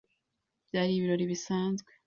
Byari ibirori bisanzwe.